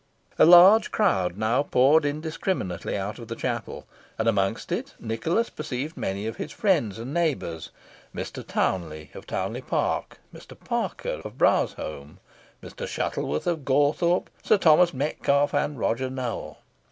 A large crowd now poured indiscriminately out of the chapel and amongst it Nicholas perceived many of his friends and neighbours, Mr. Townley of Townley Park, Mr. Parker of Browsholme, Mr. Shuttleworth of Gawthorpe, Sir Thomas Metcalfe, and Roger Nowell.